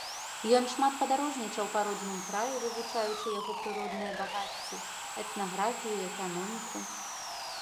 Ён шмат падарожнічаў па родным краі, вывучаючы яго прыродныя багацці, этнаграфію, эканоміку.